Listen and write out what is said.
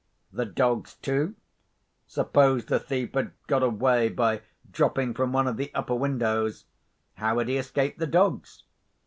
The dogs, too? Suppose the thief had got away by dropping from one of the upper windows, how had he escaped the dogs?